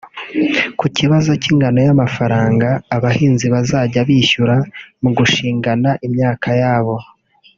Ku kibazo cy’ingano y’amafaranga abahinzi bazajya bishyura mu gushingana imyaka yabo